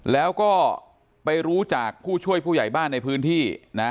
แล้วก็ไปรู้จากผู้ช่วยผู้ใหญ่บ้านในพื้นที่นะ